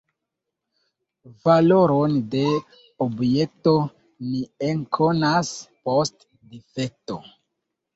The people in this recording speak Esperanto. Valoron de objekto ni ekkonas post difekto.